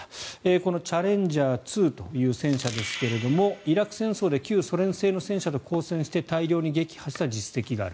このチャレンジャー２という戦車ですけれどイラク戦争で旧ソ連製の戦車と交戦して大量に撃破した実績がある。